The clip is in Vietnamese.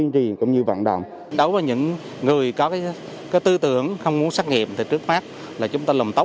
đối với những người có tư tưởng không muốn xét nghiệm thì trước mắt là chúng ta lồng tóc